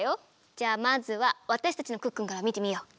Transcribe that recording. じゃあまずはわたしたちの「クックルン」からみてみよう。